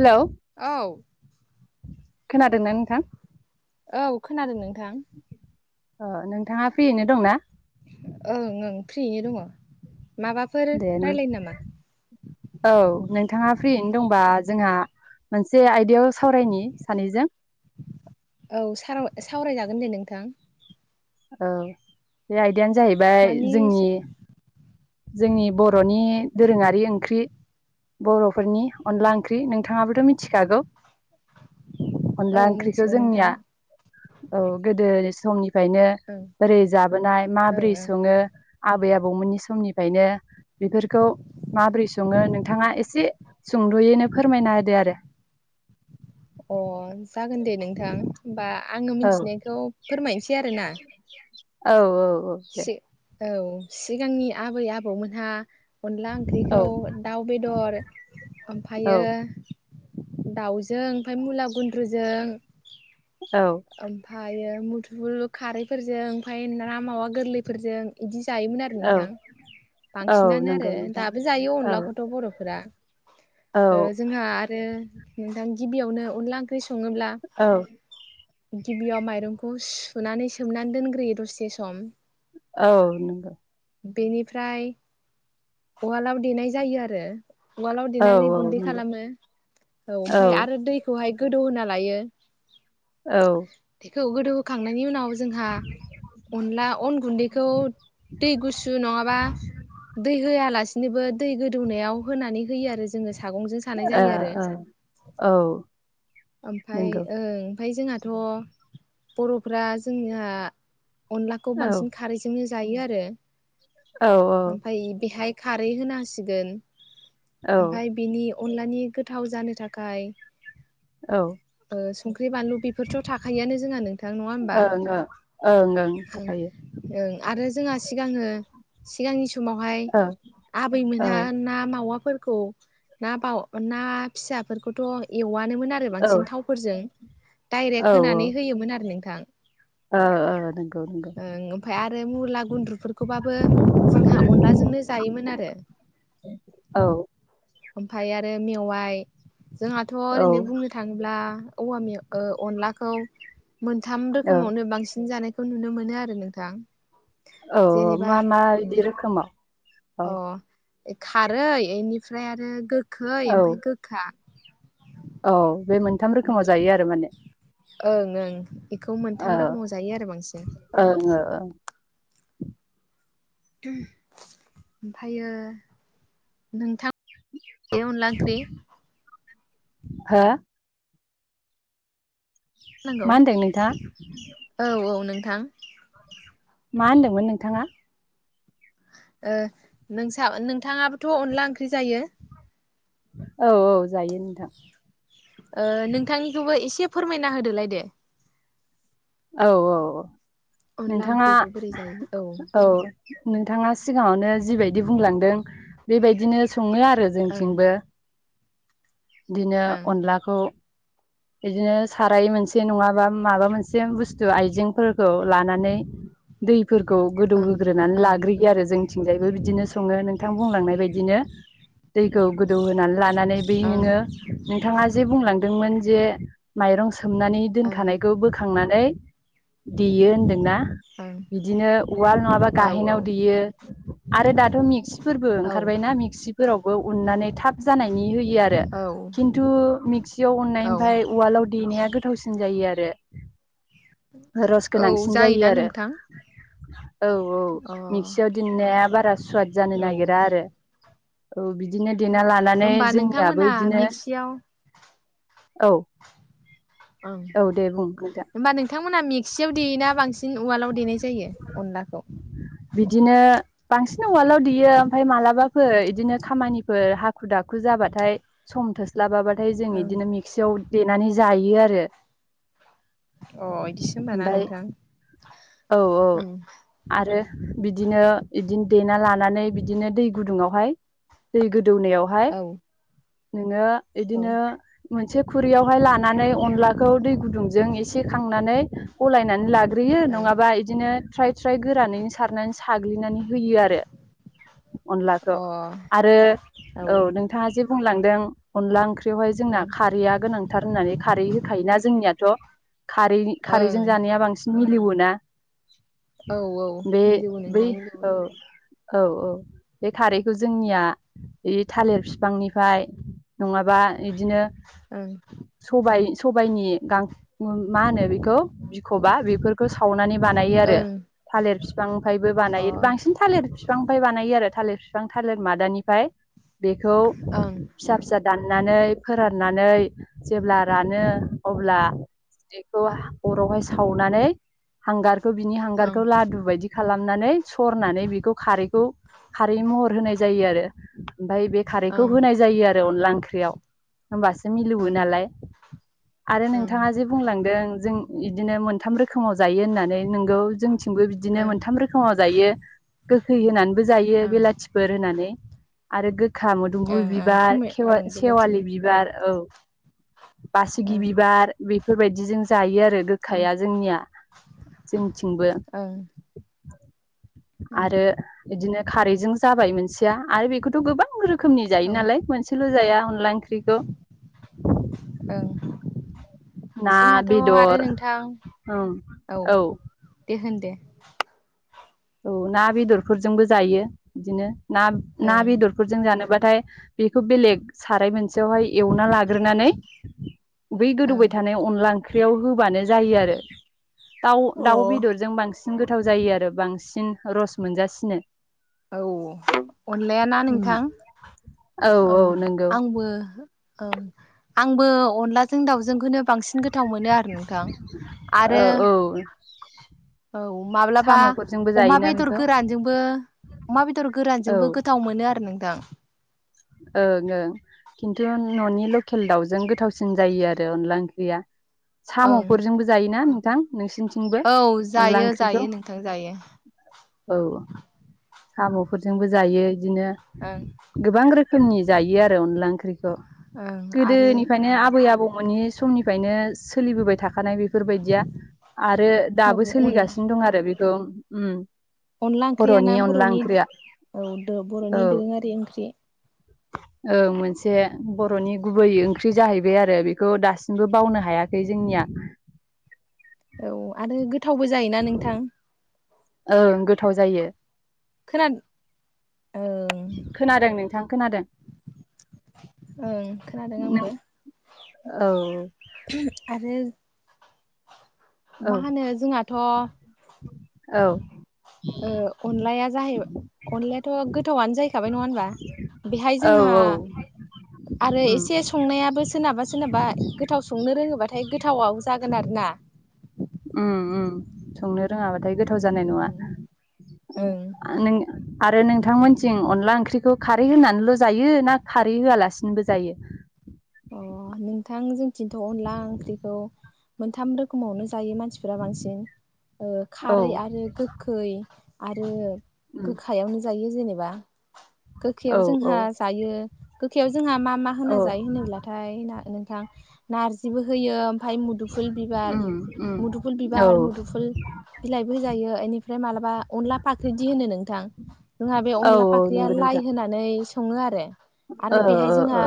Hello औ खोनादोंना नोंथां औ खोनादों नोंथां ‌। ओ नोंथाङा फ्रियैनो दंना? ओं ओं फ्रियै दङ। माबाफोर दे नों रायलायनो नामा औ नोंथाङा फ्रियैनो दंबा जोंहा मोनसे आयदायाव सावरायनि सानैजों। औ सार सावरायजागोन दे नोंथां। औ बे बाय दियानो जाहैबाय मानि जोंनि जोंनि बर'नि दोरोङारि ओंख्रि बर'फोरनि अनला ओंख्रि नोंथाङाबोथ' मिथिखागौ। औ अनला ओंख्रिखो मिथिगौ नोंथां जोंनिया औ गोदो समनिफायनो ओं बोरै जाबोनाय माबोरै ओं सङो आबै आ बौमोननि समनिफ्रायनो बेफोरखौ माबोरै सङो नोंथाङा एसे सुंद'यैनो फोरमायना होदो आरो। अ जागोन दे नोंथां होमबा आङो औ मिथिनायखौ फोरमायनसै आरोना। औ ओ औ दे सि औ सिगांनि आबै आबौमोनहा अनला औ ओंख्रिखौ दाउ बेदर औ ओमफायो दाउजों ओमफाय मुला गुन्द्रुजों औ फायो मुदुफुल खारैफोरजों ओमफाय ना मावा गोरलैफोरजों इदि जायोमोन आरो औ नोंथां औ बांसिनानो आरो नंगौ नोंथां दाबो जायो औ अनलाखौथ' बर'फोरा औ ओ जोंहा आरो नोंथां गिबियावनो अनला ओंख्रि सङोब्ला औ गिबियाव माइरंखौ सुनानै सोमनानै दोनग्रोयो दसे सम। औ नोंगौ बेनिफ्राय उवालाव देनाय जायो आरो। उवालाव औ देनानै औ गुन्दै नंगौ खालामो औ औ ओमफाय आरो दैखौहाय गोदौ होना लायो। औ खौ गोदौहोखांनायनि उनाव जोंहा अनला अन गुन्दैखौ दै गुसु नङाबा दै होआला नैबो दै गोद दौनायाव होनानै होयो आरो जोङो सागंजों सानाय औ जायो औ आरो नंगौ ओमफाय ओं ओमफाय जोंहाथ' बर'फ्रा जोंनिहा अनलाखौ औ बांसिन खारैजोंनो जायो आरो औ ओमफाय बेहाय खारै होना होसिगोन। औ औ ओमफाय बिनि अनलानि गोथाव जानो थाखाय औ ओ सं ख्रि बानलु बेफोरथ' थाखायोआनो जोंहा नोंथां नङा ओमबा ओं ओं ओं थाखायो ओं आरो जोंहा सिगाङो सिगांनि समावहाय ओं आबैमोनहा ओं ना मावाफोर खौ ना बाव ना फिसाफोरखौथ' एवा। नोमोन आरो औ बांसिन। फोरजों औ दाइरेक्ट होनानै होयोमोन आरो नोंथां। थां ओ ओ नोंगौ नंगौ। फाय आरो मुला गुन्द्रुफोरखौबाबो जोंहा अनलाजोंनो जायोमोन आरो औ ओमफाय आरो मेवाइ जोंहाथ' औ ओरैनो बुंनो थाङो बा औवा मेव ओ अमलाखौ मोनथाम औ रोखोमावनो बांसिन जानाय खौ नुनो मोनो आरो नोंथां औ जेनेबा मा मा इदि रोखोमाव औ अ' खारै इनिफ्राय आरो गो खै औ ओमफाय गोखा औ बे मोनथाम रोखोमाव जायो आरो माने। ओं ओं बेखौ ओ मोनथाम रोखोमाव जायो आरो बांसिन ओं ओं [unintelligible] ओमफ्रायो नोंथां देयो अन्ला ओंख्रि हो नांगौ मा होनदों नोंथां औ औ नोंथां मा होनदोंमोन नोंथाङा ओ नोंसा नोंथाङाबो थ' अनला ओंख्रि जायो औ औ जायो नोंथां ओ नोंथांनिखौबो एसे फोरमायना होदोलाय दे औ औ औ अनला नोंथाङा ओंख्रिखौ बोरै जायो औ नोंथाङा सिगाङावनो जिबायदि बुंलांदों बेबायदिनो सङो आरो ओं जोंथिंबो बिदिनो ओं अनलाखौ बिदिनो साराय मोनसे नङाबा माबा मोनसे बुस्थु आइजेंफोरखौ लानानै दैफोरखौ गोदौ ओं होग्रोनानै ओं लाग्रोयो आरो जोंथिंजाय बिबो बिदिनो सङो नोंथां बुंलांनाय बायदिनो दैखौ गोदौ होनानै लानानै बै ओं नोङो नोंथाङा जे बुंलांदोंमोन जे माइरं सोमनानै ओं दोनखानायखौ बोखांनानै देयो होन्दोंना ओं बिदिनो उवाल नङाबा औ गाहेनाव देयो आरो दाथ' मिक्स सि फोरबो औ ओंखारबायना मिक्सिफोरावबो उननानै थाब जानायनि होयो आरो खिन्थु मिक्सियाव उननाय औ ओमफ्राय उवालाव देनाया गोथावसिन जायो आरो बे रस औ गोनांसिन जायो जायोना आरो नोंथां औ औ अ मिक्सियाव दोननाया बारा सुवाद जानो औ नागिरा आरो औ बिदिनो देना लानानै होमबा जोंनियाबो नोंथांमोनहा बिदिनो मिक्सियाव औ मोना मिक अनलाखौ बिदिनो बांसिन उवालाव देयो ओमफ्राय मालाबाफोर बिदिनो खामानिफोर हा। हाखु दाखु जाबाथाय सम थोस्लाबाबा। दायो जों इ ओं दिनो मिक्सिआव। देनानै जायो आरो। अ बिदिसो होनबाना ओमफाय नोंथां ओम बिदिनो-इदिनो देना लानानै बिदिनो दै गुदुङावहाय दै गदुं। दौनायावहाय औ औ नोङो इदिनो मोनसे खुरैयावहाय लानानै अनलाखौ दै गुदुंजों एसे खांनानै। गलायनानै ला ग्रोयो ओं नङाबा इदिनो। फ्राय थ्राय गोरानैनो सारनानै साग्लिनानै। होयो आरो अनलाखौ अ आरो औ नोंथाङा जे। बुंलांदों अनला ओंख्रि बेवहाय जोंना खारैया गोनांथार होननानै खारै होखायोना जोंनियाथ खारि खारैजों ओं जानाया बांसिन मिलौवोना। औ औ बे मिलौवो बे नोंथां मिलौवो ओ औ-औ बे खारैखौ जोंनिया बे थालिर बिफांनिफ्राय। नङाबा बिदिनो ओं सबाय। सबाइनि गां मा होनो बेख खौ‌ बिखबा बेफोरखौ सावनानै। बानायो आरो ओं थालिर बिफांनिफ्रायबो अ बानायो बांसिन थालिर बिफां। फिफांनिफ्राय बानायो आरो थालिर फिफां थालिर मादानिफ्राय। बेखौ ओं फिसा-फिसा। दाननानै फोराननानै जेब्ला रानो अब्ला बेखौ। अरावहाय सावनानै हांगार। खौ बिनि ओं हांगारखौ लादु बायदि खा खालामनानै सरनानै बेखौ खारैखौ खारै महर होनाय जायो आरो ओमफफ्राय बे खारैखौ ओं होनाय जायो आरो। आरो अनला ओंख्रियाव। होमबासो ओं मिलौवो नालाय आरो ओं नोंथाङा जे बुंलांदों जों बिदिनो मोनथाम रो खोमाव जायो होननानै नोंगौ जोंथिंबो बिदिनो ओं मोनथाम रोखोमाव जायो गोखै होनानैबो जायो बेलाथिफोर होनानै। आरो गो खा मोदोमफुल ओं ओं बिबार थमे खे ओं बेलाथि सेवालि बिबार औ। बासिगि ओं बिबार बे बेफोरबायदि जों जायो आरो। ओं गोखाया जोंनिया जोंनिथिंबो। ओं ओं आरो बिदिनो खारैजों जाबाय मोनसेया आरो बेखौथ' गोबां रो खोमनि औ जायो नालाय मोनसेल' जाया अनला ओंख्रिखौ। ओं ना जोंहाथ' आरो बेदर नोंथां ओं औ। दे होन दे? औ ना बेदरफोरजोंबो जायो बिदिनो। ना ना ओं बेदरफोरजों जानोबाथाय बेखौ बेलेग साराय मोनसेयावहाय एवना लाग्रोनानै बै गोदौबाय थानाय अनला ओं ख्रियाव होबानो जायो आरो। दाउ दाउ ओं बेदरजों बांसिन गोथाव जायो आरो बांस बांसिन रस मोनजासिनो। औ अनलायाना नोंथां औ आंबो ओं। आंबो अनलाजों दाउजोंखौनो बांसिन गोथाव मोनो आरो नोंथां औ आरो [inaudible] औ माब्लाबा साम'फोरजोंबो अमा जायोना बेदर बेखौ गोरानजोंबो अमा बेदर औ गोरानजोंबो गोथाव मोनो आरो नों थां। ओं ओं खिन्थु न'नि लकेल दाउजों गोथावसिन जायो आरो अनला ओंख्रिया। ओं साम'फोरजोंबो जायोना नों थां? नोंसिनिथिंबो औ अनला जायो ओंख्रिखौ जायो नोंथां जायो औ साम'फोरजोंबो जायो। बिदिनो ओं गोबां रो फोरनि जायो आरो अनला ओं ओंख्रिखौ ओं गोदो आरो निफ्रायनो आबै आबौ मोननि समनि फ्रायनो सोलि बोबाय थाखानाय बेफ बेफोर बायदिया आरो औ दाबो सोलि अनला गासिनो दं आरो बेखौ अनला ओंख्रिया ना बर'नि अनला ओंख्रिया औ दो औ। बर'नि दोरोङारि ओंख्रि औ मोनसे जे बर'नि गुबै ओंख्रि ओंख्रि जाहैबाय आरो बेखौ दासिमबो बावनो हायाखै जोंनिया। औ आरो गो गोथावबो जायोना नोंथां? ओं गोथाव जायो। खोनादों ओं। खोनादों नोंथां खोनादों। ओं खोनादों नों आंबो औ [inaudible] आरो औ मा होनो जोंहथ' औ। ओ अनलाया जाहैबाय अनलायाथ' गोथावनो जाहै खाबाय नङा होमबा बेहाय औ जोंहा औ आरो उम एसे संनायाबो सोरनाबा सोरनाबा गोथाव संनो रोङो बाथाय गोथावाव जागोन आरो ना। ओम ओम संनो रोङा बाथाय गोथाव उम जानाय उम नङा आ नों आरो नोंथां मोनथिं अनला ओंख्रिखौ खारै होनानैल' जायो ना खारै होआ लासिनोबो जायो? अ नोंथां जों निथिथ' अनला ओंख्रिखौ मोन थाम रोखोमावनो जायो मानसि फोरा बांसिन। ओ औ खारै आरो गोखै आरो गोखा यावनो जायो जेनेबा। औ गोखैयाव औ जोंहा जायो। गोखै जोंहा मा मा औ होना जायो होनोब्ला ओमफ्राय ना नोंथां नारजिबो होयो ओमफ्राय मुदुफुल बिबार उम उम मुदुफुल औ बिबार मुदुफुल बिलाइबो जायो बेनिफ्राय मालाबा अनला फाख्रिदि होनो नोंथां जोंहा बे औ अनला औ फाख्रिया नंगौ लाइ नोंथां होनानै सङो आरो। आरो ओ बेहाय जोंहा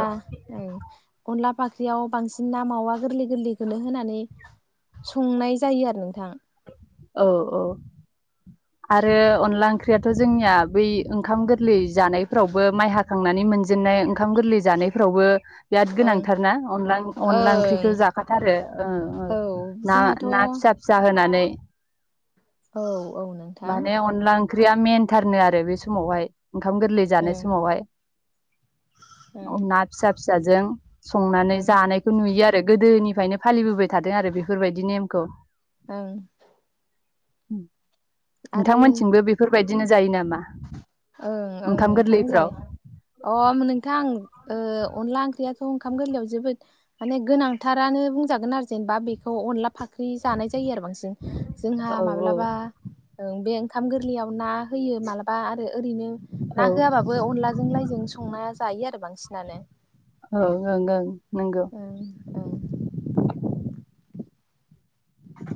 अनला फाख्रियाव बांसिन ना मावा गोरलै गोरलैखौनो होनानै संनाय जायो आरो नोंथां औ औ आरो अनला ओंख्रियाथ' जोंनिया बै ओंखाम गोरान जानायफोरावबो माइ ह थांनानै मोनजेननाय ओंखाम गोरलै जानायफोरावबो बिराद ओं गोनांथारना अनला - अनला ओंख्रिखौ ओं जाखाथारो औ ना जोंहाथ' - औ ना फिसा - फिसा होनानै औ नोंथां माने अनला ओं ओंख्रिया मेनथारनो आरो बे समावहाय ओंखाम गोरलै जानाय ओं समावहाय ओं उम ना फिसा फिसाजों संनानै ओं जानायखौ नुयो आरो फाय गोदोनिफ्रायनो फालिबोबाय थादों आरो बेफोरबायदि नेमखौ ओं उ आरो नोंथांमोनथिंबो बेफोरबायदि बिदिनो जायो नामा ओं - ओं ओंखाम नोंथां गोरलैफ्राव जायो अम नोंथां ओ अनला ओंख्रिया ओंखाम गोरलैयाव जोबोद माने गोनांथारानो बुंजागोन आरो जेनेबा बेखौ अनला फाख्रि जानाय जायो आरो बांसिन जोंहा औ माब्लाबा औ ओ बे ओंखाम गोरलैयाव ना होयो मालाबा बे ओरैनो ना औ होआबाबो अनलाजों लायजों संना जायो आरो बांसिनानो औ ओं - ओं नंगौ ओ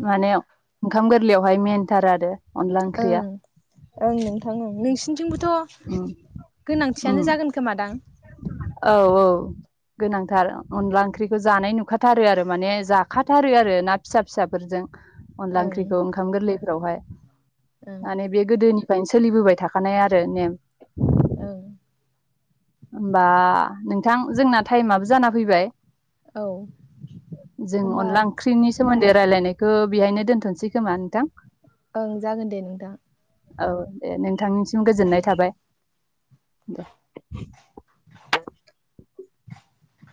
माने ओंखाम गोरलैयावहाय मेेनथार आरो अनला ओंख्रिया ओं ओं नोंथां ओं नोंसिनिथिंबोथ' गोनांथियानो जागोन खोमादां ओ-ओ औ - औ गोनांथार अनला ओंख्रिखौ जानाय नुखाथारो आरो माने जाखाथारो आरो ना फिसा फिसाफोरजों अनला ओं ओंख्रिखौ ओंखाम गोरलैफ्रावहाय ओं माने बे गोदोनि बेनो सोलिबोबाय थाखानाय आरो नेम ओं होमबा नोंथां जोंना टाइमाबो जाना फैबाय औ जों होमबा अनला ओंख्रिनि सोमोन्दै रायलायनायखौ बेहायनो दोनथ'सै खोमा नोंथां? ओं जागोन दे नोंथां औ दे नोंथांनि सिम ओं गोजोननाय थाबाय